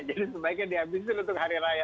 jadi sebaiknya dihabisin untuk hari raya